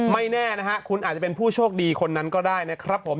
ไม่แน่นะฮะคุณอาจจะเป็นผู้โชคดีคนนั้นก็ได้นะครับผม